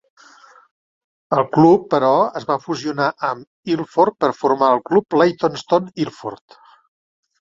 El club, però, es va fusionar amb Ilford per formar el club Leytonstone-Ilford.